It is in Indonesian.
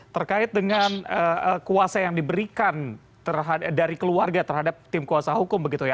terkait dengan kuasa yang diberikan dari keluarga terhadap tim kuasa hukum begitu ya